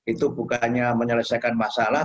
itu bukannya menyelesaikan masalah